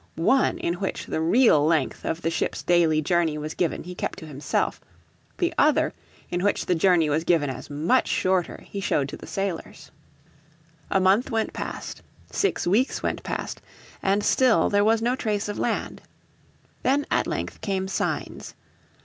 One, in which the real length of the ships' daily journey was given he kept to himself: the other, in which the journey was given as much shorter, he showed to the sailors. A month went past, six weeks went past, and still there was no trace of land. Then at length came signs.